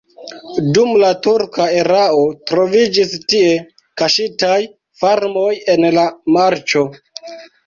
Dum la turka erao troviĝis tie kaŝitaj farmoj en la marĉo.